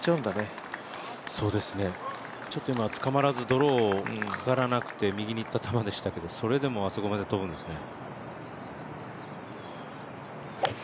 今、つかまらずドローかからなくて右に行った球でしたけど、それでもあそこまで飛ぶんですね。